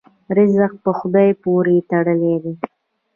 رزق په خدای پورې تړلی دی.